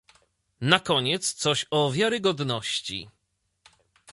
Na koniec, coś o wiarygodności